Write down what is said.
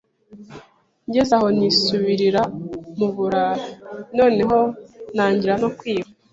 Ngeze aho nisubirira mu burara, noneho ntangira no kwiba,